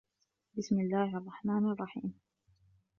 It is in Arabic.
باسم الله الرحمان الرحيم